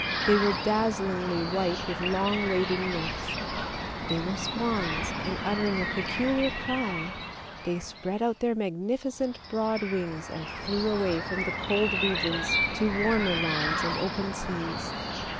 They were dazzlingly white with long waving necks; they were swans, and uttering a peculiar cry they spread out their magnificent broad wings and flew away from the cold regions to warmer lands and open seas.